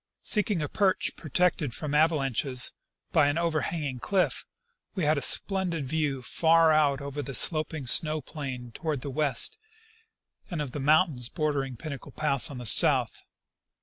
Seeking a perch protected from avalanches by an overhanging cliff, we had a splendid view far out over the sloping snow plain toward the west and of the moun tains bordering Pinnacle pass on the south.